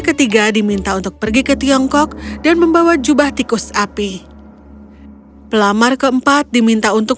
ketiga diminta untuk pergi ke tiongkok dan membawa jubah tikus api pelamar keempat diminta untuk